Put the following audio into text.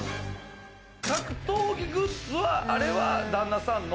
格闘技グッズは、あれは旦那さんの？